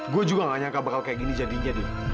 gue juga gak nyangka bakal kayak gini jadinya